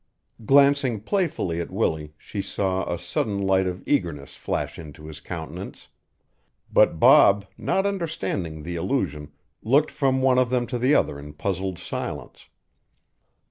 Glancing playfully at Willie she saw a sudden light of eagerness flash into his countenance. But Bob, not understanding the allusion, looked from one of them to the other in puzzled silence.